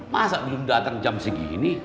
masa belum datang jam segini